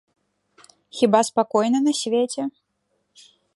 Хіба спакойна на свеце?